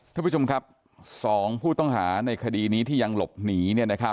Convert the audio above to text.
ท่านผู้ชมครับ๒ผู้ต้องหาในคดีนี้ที่ยังหลบหนี